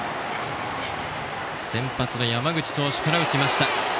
先発の山口投手から打ちました。